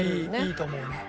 いいと思うね。